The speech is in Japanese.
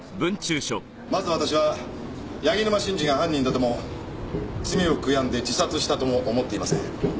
まず私は柳沼真治が犯人だとも罪を悔やんで自殺したとも思っていません。